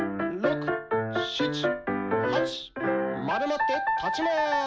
まるまって立ちまーす。